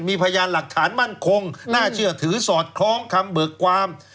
มีพยานหลักฐานมั่นคงน่าเชื่อถือสอดคล้องคำเบิกความ